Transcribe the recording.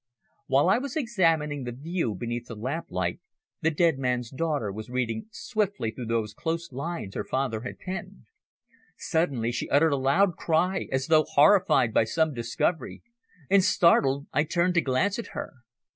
While I was examining the view beneath the lamp light, the dead man's daughter was reading swiftly through those close lines her father had penned. Suddenly she uttered a loud cry as though horrified by some discovery, and, startled, I turned to glance at her.